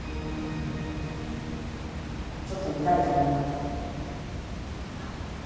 ちょっと見たいと思います。